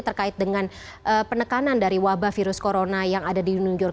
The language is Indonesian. terkait dengan penekanan dari wabah virus corona yang ada di new york